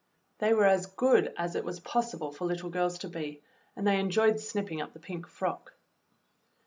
They were as good as it was possible for little girls to be, and they enjoyed snipping up the pink frock.